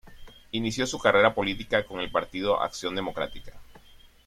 Inició su carrera política con el partido Acción Democrática.